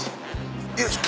よいしょ。